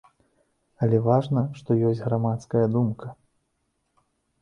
Але важна, што ёсць грамадская думка.